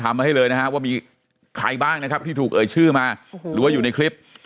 มาให้เลยนะฮะว่ามีใครบ้างนะครับที่ถูกเอ่ยชื่อมาหรือว่าอยู่ในคลิป